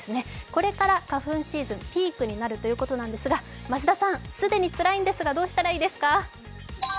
これから花粉シーズン、ピークになるということですが増田さん、既につらいんですがどうしたらいいですか。